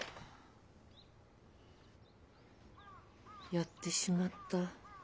やってしまった。